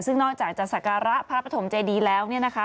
ซึ่งนอกจากจากศักระพระปฐมเจดีแล้ว